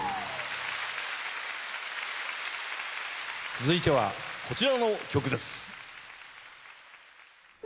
続いてはこちらの曲です。